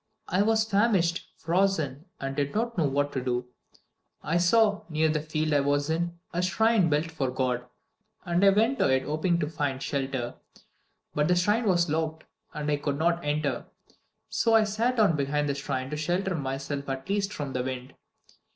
I was famished, frozen, and did not know what to do. I saw, near the field I was in, a shrine built for God, and I went to it hoping to find shelter. But the shrine was locked, and I could not enter. So I sat down behind the shrine to shelter myself at least from the wind.